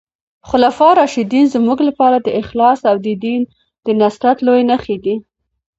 خلفای راشدین زموږ لپاره د اخلاص او د دین د نصرت لويې نښې دي.